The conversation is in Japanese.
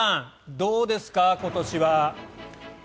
どうですか、今年は。